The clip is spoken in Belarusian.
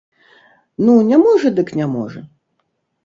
Ну, не можа дык не можа.